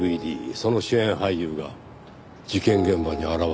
その主演俳優が事件現場に現れた。